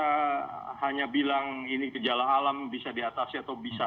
kita tidak bisa hanya bilang ini kejalan alam bisa di atas atau bisa tidak